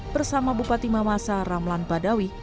bersama bupati mamasa ramlan badawi